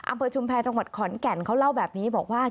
ชุมแพรจังหวัดขอนแก่นเขาเล่าแบบนี้บอกว่า